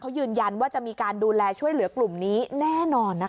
เขายืนยันว่าจะมีการดูแลช่วยเหลือกลุ่มนี้แน่นอนนะคะ